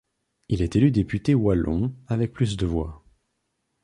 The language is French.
Il est élu député wallon avec plus de voix.